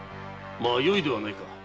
よいではないか。